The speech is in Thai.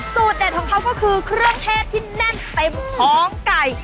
เด็ดของเขาก็คือเครื่องเทศที่แน่นเต็มท้องไก่